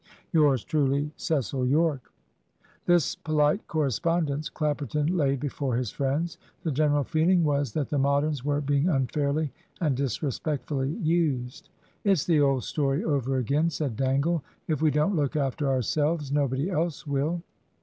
"Yours truly, "Cecil Yorke." This polite correspondence Clapperton laid before his friends. The general feeling was that the Moderns were being unfairly and disrespectfully used. "It's the old story over again," said Dangle. "If we don't look after ourselves, nobody else will."